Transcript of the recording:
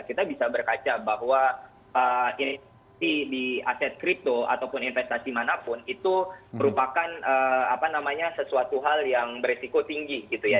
kita bisa berkaca bahwa investasi di aset kripto ataupun investasi manapun itu merupakan sesuatu hal yang beresiko tinggi gitu ya